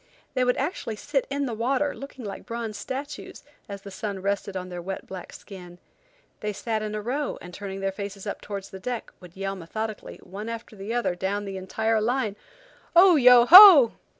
They would actually sit in the water looking like bronze statues, as the sun rested on their wet, black skins. They sat in a row, and turning their faces up towards the deck, would yell methodically, one after the other, down the entire line: "Oh! Yo! Ho!"